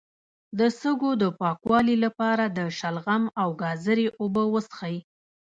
د سږو د پاکوالي لپاره د شلغم او ګازرې اوبه وڅښئ